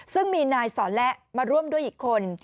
ซึ่งมีนายสอนและมาร่วมด้วยอีกคน